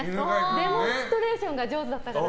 デモンストレーションが上手だったから。